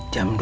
jam dua mah